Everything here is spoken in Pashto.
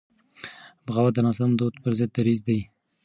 بغاوت د ناسم دود پر ضد دریځ دی.